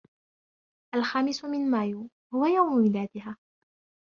الخامس من مايو هو يوم ميلادها.